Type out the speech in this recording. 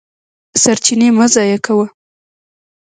سرچینې مه ضایع کوه.